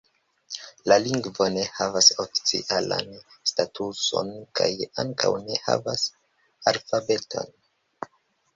La lingvo ne havas oficialan statuson kaj ankaŭ ne havas alfabeton.